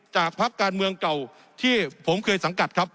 พักการเมืองเก่าที่ผมเคยสังกัดครับ